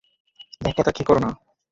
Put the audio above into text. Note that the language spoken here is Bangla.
ধাক্কাধাক্কি করো না।